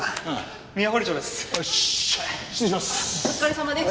お疲れさまです。